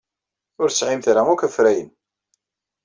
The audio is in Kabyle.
Ur tesɛimt ara akk afrayen.